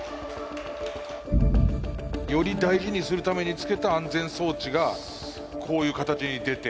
より大事にするためにつけた安全装置がこういう形に出て。